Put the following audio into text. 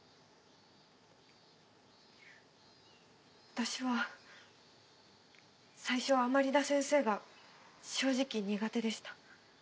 私は最初は甘利田先生が正直苦手でした。